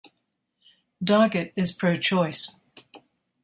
Doggett is pro-choice.